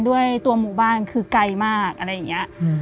ด้วยตัวหมู่บ้านคือไกลมากอะไรอย่างนี้